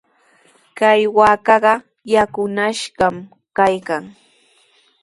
Kay waakaqa yakunashqami kaykan.